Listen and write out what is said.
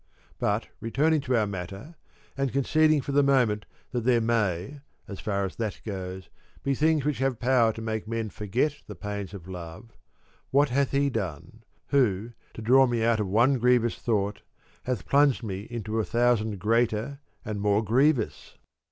But returning to our matter, and conceding for the moment that there may (so far as that goes,) be things which have power to make men forget the pains of love, what hath he done, who, to draw me out of one grievous thought hath plunged 22 me into a thousand greater and more grievous?